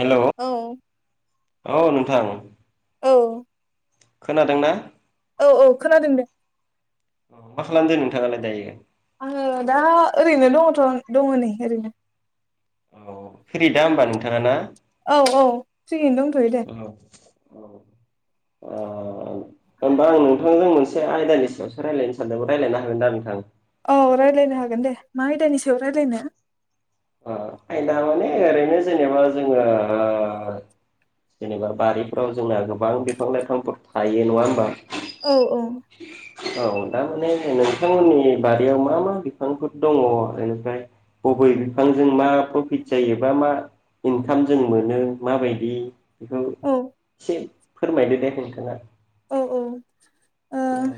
हेल' औ औ नोंथां औ खोनादोंना औ औ खोनादों दे। अ मा खालामदों नोंथाङालाय दायो। आङो दा ओरैनो दङथ' दङ नै ओरैनो औ थिगै दा होमबा नोंथाङा ना? औ औ थिगैनो दंथ'यो दे होनबा आं नोंथांजों मोनसे एसे आयदानि सायावसो रायलायनो सानदों रायलायनो हागोना नोंथां। औ रायलायनो हागोन दे मा आयदानि सायाव रायलायनो अ आयदा माने ओरैनो जेनेबा जोङो अ जेनेबा बारिफोराव जोंना गोबां बिफां लाइफांफोर थायो नङा होमबा। औ औ औ दामाने नोंथांमोननि बारियाव मा मा बिफांफोर दङ आरो। ओमफ्राय बबे बिफांजों मा प्रफिट जायोबा मा इनकाम जों मोनो माबायदि बेखौ औ एसे फोरमायदो दे नोंथाङा औ औ ओ औ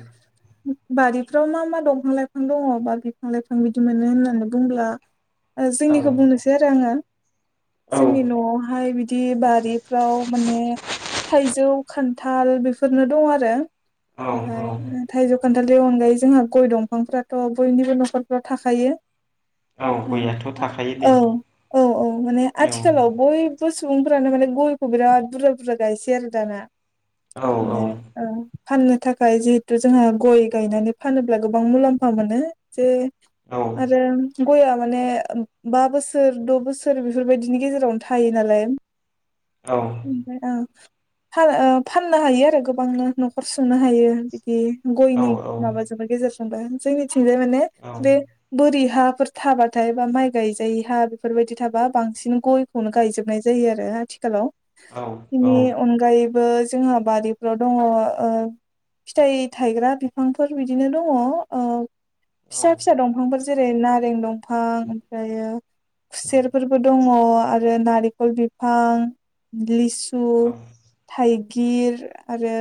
बारिफ्राव मा मा दंफां लाइफां दङ बा बिफां लाइफां बिदि मोनो होननानै बुंब्ला औ जोंनिखौ बुंनोसै आरो आङो। औ जोंनि न'आवहाय बिदि बारिफ्राव माने। थाइजौ खान्थाल बेफोरनो दं आरो औ औ ओमफ्राय थाइजौ। खान्थालनि अनगायै जोंहा गय दंफांफ्राथ बयनिबो नखरफ्राव थाखायो औ गयाथ' थाखायो दे औ औ औ माने औ आथिखालाव बय बो सुबुंफ्रानो माने गयखौ बिराद बुरजा बुरजा गायसै आरो दाना औ [unintelligible] फाननो थाखाय जिहेथु जोंहा गय गायनानै फानोब्ला गोबां मुलाम्फा मोनो जे औ आरो गया माने बा बोसोर द बोसोर बेफोरबायदिनि गेजेरावनो थायो नालाय। औ [unintelligible] फाननो हायो आरो गोबांनो न'खर सुंनो हायो बिदि औ गयनि औ औ माबाजोंबो गेजेर। जोंबो जोंनिथिंजाय माने बे बोरि हा फोर थाबाथाय बा माइ गायजायि हा बेफोरबायदि थाबा बांसिन गयखौनो गायजोबनाय जायो आरो आथिखालाव। बेनि अनगायैबो जोंहा बारिफ्राव दङ ओ फिथाइ थायग्रा बिफांफोर बिदिनो दङ ओ फिसा फिसा दंफांफोर जेरै नारें दं। फां ओमफ्रायो खुसेरफोरबो दङ। आरो नारेखल बिफां लिसु थाइ। गिर आरो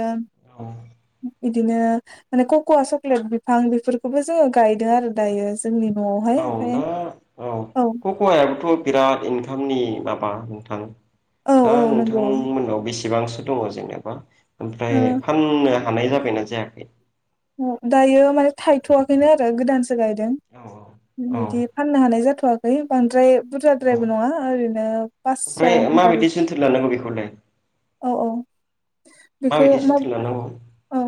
बिदिनो माने कक'वा चक्लेट बिफां बेफोरखौबो जोङो गायदों आरो दायो। जोंनि न'आवहाय औ ओमफ्राय दा औ कक'वायाबोथ' बिराद इनकामनि मा बा नोंथां औ दा औ नंगौ नोंथांनि मोनाव बेसेबांसो दङ जेनेबा ओमफ्राय फाननो हानाय जाबायना जायाखै दायो माने थायथ'वाखैनो आरो गोदान। सो गायदों औ औ बिदि फाननो हानाय जाथ'वाखै बांद्राय। औ बुरजाद्रायबो नङा ओरैनो ओमफ्राय पासस' दाल। माबायदि जोथोन लानांगौ बेखौलाय औ औ बेखौ माबायदि मा जोथोन लानांगौ औ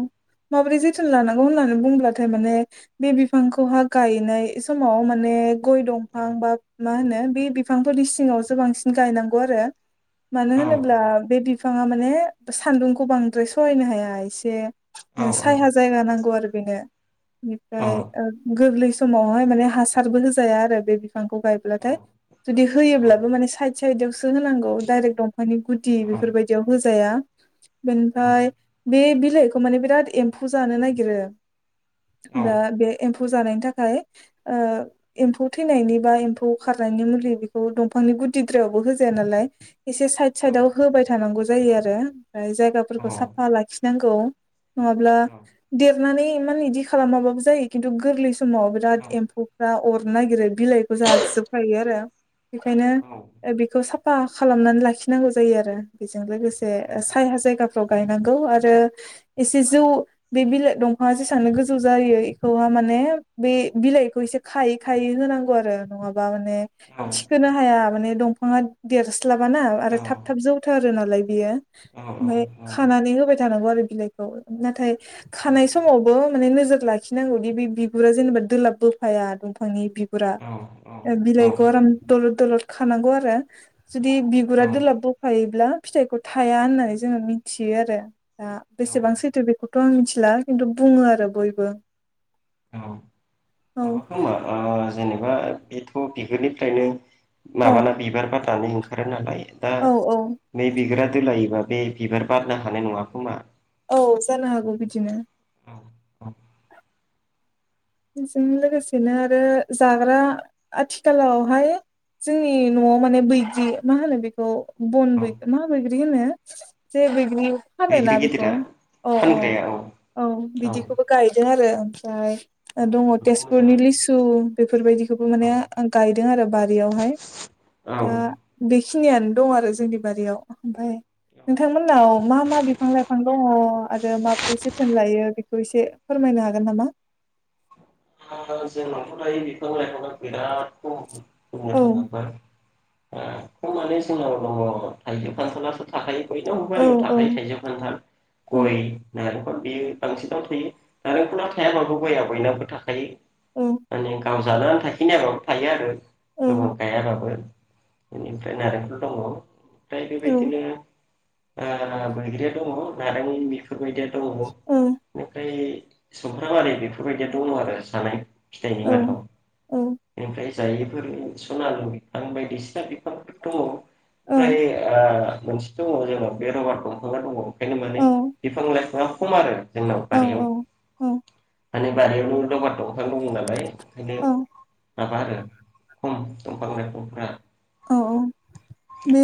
माब्रै जो थोन लानांगौ होननानै बुंब्लाथाय माने बे बिफांखौहा गायनाय समाव माने। गय औ दंफां बा मा होनो बे बिफांफोरनि सिङावसो बांसिन गायनांगौ आरो। मानो औ होनोब्ला बे बिफाङा माने सान्दुंखौ बांद्राय सहायनो हाया एसे। औ औ [inaudible] मावहाय औ माने हासारबो होजाया आरो बे बिफांखौ औ गायब्लाथाय जुदि होयोब्लाबो मान साइ। साइदआवसो होनांगौ डाइरेक्ट दंफांनि गुदि औ बेफोरबायदियाव होजाया। बेनिफ्राय बे बिलाइखौ माने बिराद एम्फौ जानो नागिरो। औ दा औ बे एम फौ जानायनि थाखाय ओ एम्फौ थैनायनि बा एम्फौ खारनायनि मुलि बेखौ दंफांनि। गुदिद्रायावबो होजाया नालाय। एसे साइद साइदाव होबाय थानांगौ जायो आरो ओमफ्राय जायगाफोरखौ साफा लाखिनांगौ। [inaudible] औ नानै इमान इदि खालामाबाबो जायो खिन्थु गोरलै समाव बिराद एम्फौफ्रा अर। नो नागिरो बिलाइखौ जाजोबखायो आरो बेखायनो बेखौ सा फा खालामनानै लाखिनांगौ जायो आरो बेजों लोगोसे सायहा जायगाफ्राव गायनांगौ आरो। एसे जौ बे बिलाइ दंफाङा जेसेबां गोजौ जायो इखौहा माने बे बिलाइखौ एसे खायै खायै हो। नांगौ आरो नङा बा माने थिखोनो हाया माने दंफांआ देरस्लाबाना आरो थाब थाब जौथार। रो नालाय बियो ओमफ्राय खानानै होबाय थानांगौ आरो बिलाइखौ नाथाय खानाय समावबो माने नोजोर लाखिनांगौदि बे बिगुरा जेनेबा दोलाब बोफाया दंफांनि बि गुरा बिलाइखौ आराम दलर दलर खानांगौ आरो जुदि बिगुरा दोलाब बोफायोब्ला फिथाइखौ थाया होननानै जोङो मिथियो आरो दा बेसेबां सैथो बेखौथ' आं मिथिला खिन्थु बुङो आरो बयबो औ औ माबा खोमा ओ जेनेबा बेथ' बिगुरनिफ्रायनो औ माबाना बिबार बारनानै ओंखारो नालाय दा औ औ बे बिग्रा दोलायोबा बे बिबार बारनो हानाय नङा खोमा औ जानो हागौ बिदिनो [unintelligible] बेजों लोगोसेनो आरो जाग्रा आथिखालावहाय जोंनि न'आव माने बिदि मा होनो बेखौ बन औ बैग्रि मा बैग्रि होनो जे बैग्रि बैग्रि फानोना बेखौ गिदिरा अ अ औ बिदिखौबो गायदों आरो ओमफ्राय दङ बेबोथ' तेजपुरनि मोजाङानो लिसु बेफोरबायदिखौबो औ माने गायदों आरो बारियावहाय औ ओ दा बेखिनियानो दं आरो जोंनि बारियाव ओमफाय नोंथांमोननाव मा मा बिफां लाइफां दङ? आरो माबोरै जोथोन लायो बेखौ एसे फोरमायनो हागोन नामा जोंनावथ' दायो बिफां लाइफांआ बिराद खम बुंनो औ थाङोब्ला ख माने जोंनाव दङ थाइगिर खान्थालाथ' थाखायो बयनावबो औ बारियाव औ थाखायो थाइजौ खान्थाल औ गय नालेंखर बेयो बांसिनाव थायो नारेंखला थायाबाबो गया बयनावबो थाखायो औ मेने गाव जानानै थाखिनायाबाबो थायो आरो गोबां गायाबाबो फ्राय नलेंखर दं फ्राय औ बेबादिनो ओ बैग्रिया दङ नारें बेफोरबायदिया दङ औ बेनिफ्राय सुमफ्राम आरि बेफोरबायदिया दङ आरो जानाय फिथाइनि औ माथाव औ बेनिफ्राय जायैफोरनि सनालु बिफां बायदिसिना बिफांफोरथ दङ' औ फ्राय मोनसेथ' दङ जोंनो बे रबार दंफां दङ ओंखायनो माने बिफां लाइफाङा खम आरो जोंनाव बारियाव औ माने बारियावनो दंफां दं नालाय ओंखायनो औ माबा आरो खम दंफां लाइफांफ्रा औ बे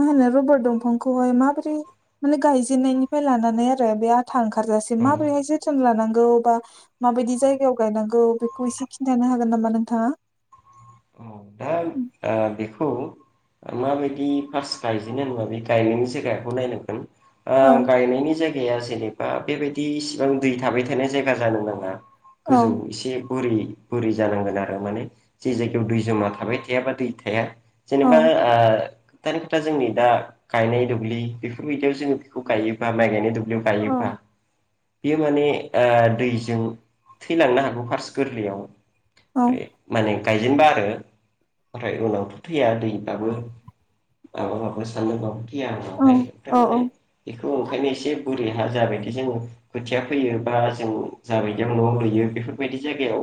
मा होनो रबार दंफां खौहाय माबोरै माने गायजेननायनिफ्राय लानानै आरो बे थांंखारजासेै औ माबोरैहाय जोथोन लानांगौ बा माबायदि जायगायाव गायनांगौ बेखौ एसे खिन्थानो हागोन नामा नोंथाङा? अ दा ओ बे खौ माबायदि फार्स्ट गायजेनोब्ला बे गायनायनि जगाखौ नायनांगोन ओ औ गायनायनि जायगाया जेरै बा बेबायदि इसिबां दै थाबाय थानाय जायगा जानो नाङा गोजौ औ एसे बुरै बुरै जानांगोन आरो माने जे जायगायाव दै जमा थाबाय थायाबा दै थाया जेनेबा औ ओ दा जोंनि दा गायनाय दुब्लि बेफोरबायदियाव जोङो बेखौ गायोबा माइ गायनाय दुब्लि बियाव औ गायोब्लाा बेयो माने दैजों थैलांनो हागोन फार्स् गोरलैयाव औ माने गायजेनबा आरो ओमफ्राय उनावथ' थैया दैबाबो माबा माबो सानदोंबाबो थैया आरोहाय माने थ' ओंखायनो एसे गुरै हा जाबायदि जोङो खोथिया फैयो बा जों जाबायदियाव न' लुयो बेफोरबायदि जायगायाव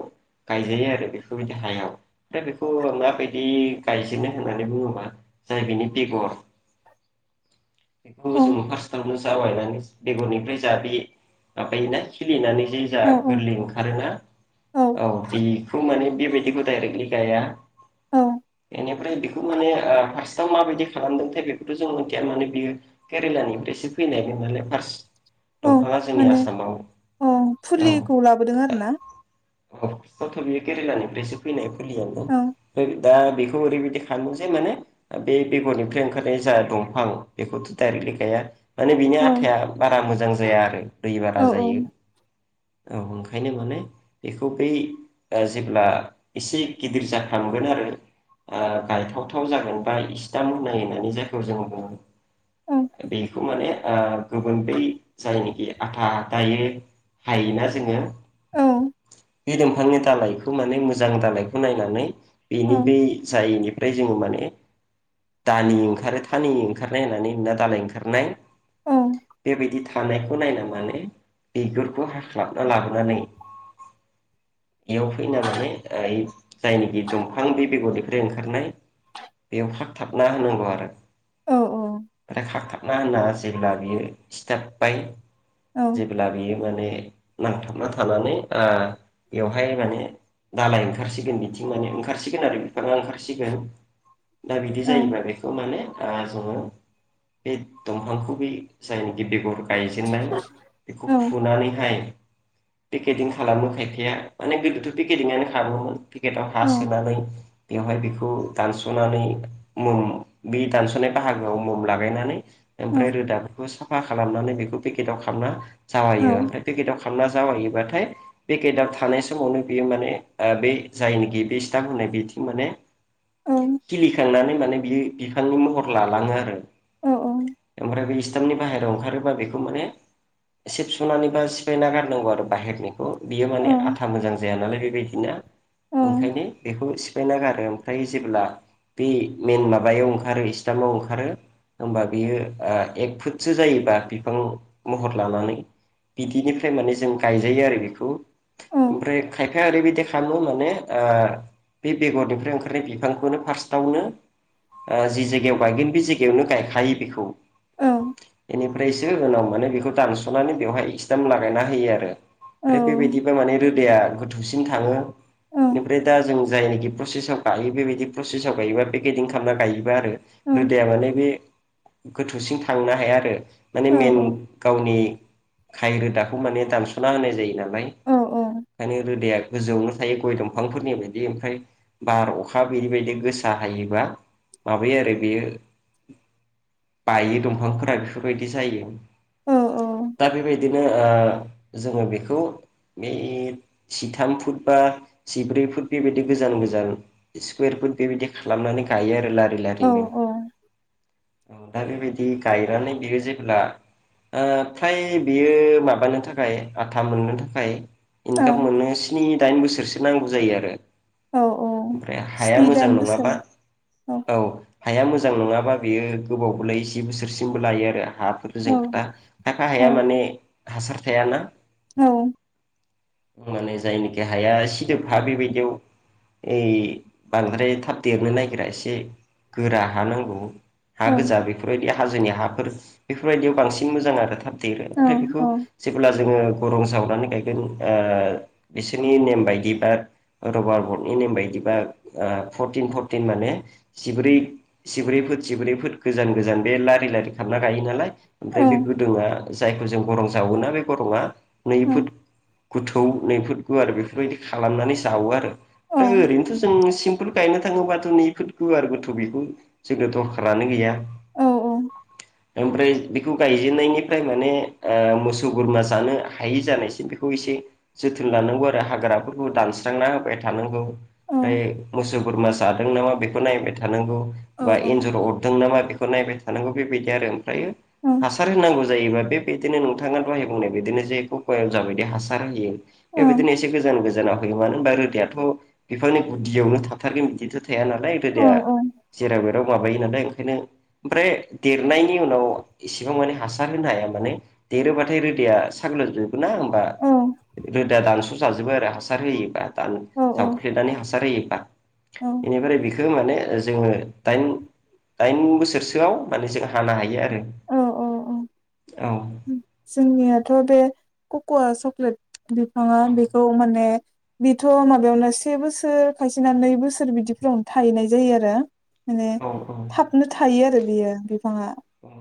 गायजायो आरो बेफोरबायदि हायाव दा बेखौ माबायदि गायजेनो होननानै बुङोबा जाय बिनि बेगर बेखौ औ जों फार्सेटावनो जावायनानै बेगरनिफ्राय जा बे माबायोना खिलिनानै ज जा गोरलै ओंखारोना औ बेखौ माने बेबायदि [unintelligible] औ बेनिफ्राय बेखौ माने ओ फार्स्टआव माबायदि खालामदोंथाय बेखौथ' जों मिथिया माने बियो केेरेलानिफ्रायसो फैनाय नालाय फार्स औ दंफाङा जोंनि माने आसामाव औ औ फुलिखौ लाबोदों आरो ना औ थ' बेयो केरेलानिफ्रायसो फैनाय औ [unintelligible] दा बेखौ ओरैबायदि खालामानो जे माने बेगरनिफ्राय ओंखारनाय जा दंफां बेखौथ' दाइरेक्ट खाया माने बिनि औ आथाया बारा मोजां जाया आरो दै औ बारा औ जायो। औ ओंखायनो माने बेखौ बै ओ जेब्ला एसे गिदिर जाफ्रामगोन आरो गायथावथाव जागोन बा [unintelligible] होननानै जायखौ जों बुङो। औ बेखौ माने ओ गुबुन बै जायनिखि आथा दायो हायोना जोङो औ बे दंफांनि दालाइखौ माने मोजां दालायखौ नायनानै औ बेनि बै जायैनिफ्राय जोङो माने दालि ओंखारो थानि ओंखारनाय होननानै ना दालाय ओंखारनाय औ बेबायदि थानायखौ नायना माने बिगुरखौ हाख्लाबना लाबोनानै बेयाव फैना माने ओइ जायनाखि दंफां बे बेगरनिफ्राय ओंखारनाय बेयाव खागथाबना होनांगौ आरो। औ आरो खाखथाबना होना जेब्ला बियो सिथाबबाय औ जेब्ला बियो माने नांथाबना थानानै ओ बेवहाय माने दालाय ओंखारसिगोन बिथिं माने ओंखारसिगोन आरो बिफाङा ओंखारसिगोन दा बिदि जायोब्लाा बेखौ माने ओ जोङो बे दंफांखौ ब जायनाखि बेगर गायजेनन्नाय बेखौ फुनानैहाय पेकदिं खालामनो खायफाया माने गोदोथ' पेकदिंआनो खालामोमोन। पिकेटआव हा औ सोनानै बेवहाय बेखौ दानस'नानै मम बे दानस'नाय बाहागोआव मम लागायनानै ओमफ्राय रोदा बेखौ साफा खालामनानै बेखौ पेकेटाव खालामना औ जावायो ओमफ्राय पेकेटाव खामना जावायोबाथाय बे पेकेदाव थानाय समावनो बेयो माने ओ बे जायनिखि बे सिथाब होनाय बैथिं माने औ खिलिखांनानै माने बि बिफांनि महर लालाङो आरो। औ ओमफ्राय बे इस्टामनि बाहेरायाव ओंखारोबा बेखौ माने सिब सुनानै बा सिफायना गारनांगौ आरो बाहेरनिखौ बियो औ माने आथा मोजां जाया नालाय बेबायदिना औ ओंखायनो बेखौ सिफायना गारो ओमफ्राय जेब्ला बे मेन माबायाव ओंखारो इस्टामाव ओंखारो ओमबा बेयो एक फुटसो जायोबा बिफां महर लानानै बिदिनिफ्राय माने जों गायजायो आरो बेखौ औ ओमफ्राय खायफाया ओरैबायदि खामो माने ओ बे बेगरनिफ्राय ओंखारनाय बिफांखौनो फार्स्टआवनो ओ जि जायगायाव गायगोन बे जायगायावनो गायखायो बेखौ औ बेनिफ्रायसो उनाव माने बेखौ दानस'नानै बेवहाय इक्सटाम लागायना होयो आरो। औ ओमफ्राय बेबायदिबा माने रोदाया गोथौसिन थाङो। ओमफ्राय दा जों जायनाखि प्रसेसआव गायो बेबायदि प्रसेसआव गायोबा पेकेदिं खामना गायो। आरो रोदाया माने बे गोथौसिं थांनो हाया आरो। माने मेन गावनि खाय रोदाखौ माने दानस'ना होनाय जायो ना लाय औ रोदाया गोजौआवनो थायो गय दंफांफोरनि बायदि ओमफ्राय बार अखा बिदिबायायदि गोसा हायि माबायो आरो बेयो बायि दंफांफोरा बेफोरबायदि जायो। औ औ। दा बेबायदिनो ओ जोङो बेखौ बे जिथाम फुट बा जिब्रै फुट बेबायदि गोजान गोजान स्कुवेर फुट बेबायदि खालामना नै गायो आरो लारि लारिनो औ दा बेबायदि नो गायनानै बियो जेब्ला ओ फ्राय बेयो माबानो थाखाय आथा मोननो थाखाय थाब मोननो स्नि दाइन बोसोरसो नांगौ जायो आरो। औ औ ओमफ्राय हाया स्नि मोजां दाइन नङाबा बोसोर औ। हाया मोजां नङाबा बेयो गोबावबो लायो जि बोसोरसिमबो लायो आरो। हाफोरजों औ खोथा खायफा औ हाया स्नि दाइन बोसोर औ माने हासार थायाना। औ। माने जायनिखि हाया सिदोब हा बेबायदियाव ओइ बांद्राय थाब देरनो नागिरा एसे गोरा हा नांगौ। हा औ गोजा बेफोरबायदि हाजोनि हाफोर बेफोरबायदियाव बांसिन मोजां आरो थाब देरो औ ओमफ्राय बेखौ औ जेब्ला जोङो गरं जावनानै गायगोन ओ बिसोरनि नेम बायदिबा रबार बरटनि नेम बायदिबा ओ फर्टि न फर्टिन माने जिब्रै जिब्रै फुट जिब्रै फुट गोजान गोजान बे लारि लारि खालामना गायो। नालाय औ ओमफ्राय बे गोदोङा जायखौ जों गरं जावोना बे गरंआ नै फुट गोथौ नै फुट गुवार बेफोरबायदि खालामनानै जावो आरो। औ दा ओरैनोथ' जों सिम्पोल गायनो थाङोबाथ' नेै फुट गुवार गोथौ बेखौ जोङो दरखारानो गैया। औ औ। ओमफ्राय बेखौ गायजेननायनिफ्राय माने ओ मोसौ बोरमा जानो हायि जानायसिम बेखौ एसे जोथोन लानांगौ आरो हाग्राफोरखौ दानस्रांना होबाय थानांगौ। औ ओमफ्राय मोसौ बोरमा जादों नामा बेखौ नायबाय थानांगौ। बा एन्जर अरदों नामा बेखौ नायबाय थानांगौ बेबायदि आरो ओमफ्रायो हासार होनांगौ। जायोबा बेबायदिनो नोंथाङा दहाय बुंनाय बादिनो जेखौ खयायाव जाबायदि हास बार होयो बेबादिनो एसे गोजान गोजानाव होयो मानो होनबा रोदायाथ' बिफांनि गुदियावनो थाथारगोन बिदिथ' थाया नालाय रोदाया जेराव मेराव माबायो नालाय ओंखायनो ओमफ्राय देरनायनि उनाव एसेबां माने हासार होनो हाया माने देरोबाथाय रोदाया साग्लोबजोब ना होमबा रोदा दानस' जाजोबबो आरो हासार होयोबा दान जावफ्लेनानै हास हासार होयोबा इनिफ्राय बे खो माने जोङो दाइन दाइन बोसोरसोआव माने जों हानो हायो आरो। औ औ औ औ ओम जोंनियाथ' बे कक'आ चक्लेट बिफाङा बेखौ माने बिथ' माबायावनो से बोसोर खायसेना नै बोसोर बिदिफोरावनो थायहैनाय जायो आरो। माने औ औ थाबनो थायो आरो बियो बिफाङा। औ